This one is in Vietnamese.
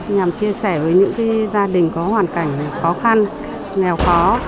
nhằm chia sẻ với những gia đình có hoàn cảnh khó khăn nghèo khó